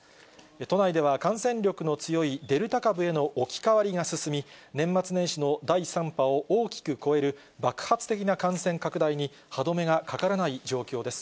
都内では感染力の強いデルタ株への置き換わりが進み、年末年始の第３波を大きく超える、爆発的な感染拡大に歯止めがかからない状況です。